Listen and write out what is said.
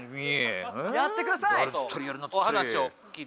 やってください！